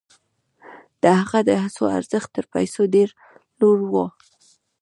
د هغه د هڅو ارزښت تر پیسو ډېر لوړ و.